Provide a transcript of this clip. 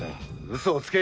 嘘をつけ。